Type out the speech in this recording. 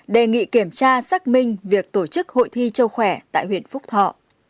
đề nghị kiểm tra xác minh việc tổ chức hội thi châu khỏe tại huyện phúc thọ